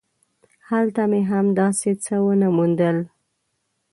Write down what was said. هلته مې هم داسې څه ونه موندل.